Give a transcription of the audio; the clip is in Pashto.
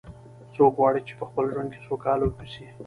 څوک غواړي چې په خپل ژوند کې سوکاله و اوسي